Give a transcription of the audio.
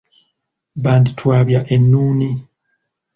Banditwabya ennuuni.